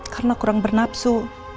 karena kurang bernapsu